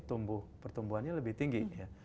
tumbuh pertumbuhannya lebih tinggi ya